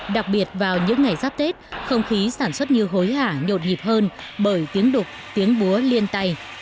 đặc biệt vào những ngày giáp tết không khí sản xuất như hối hả nhộn nhịp hơn bởi tiếng đục tiếng búa liên tay